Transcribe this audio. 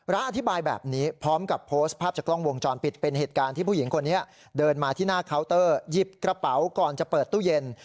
อธิบายแบบนี้พร้อมกับโพสต์ภาพจากกล้องวงจรปิดเป็นเหตุการณ์ที่ผู้หญิงคนนี้เดินมาที่หน้าเคาน์เตอร์หยิบกระเป๋าก่อนจะเปิดตู้เย็น